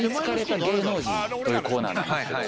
というコーナーなんですけど。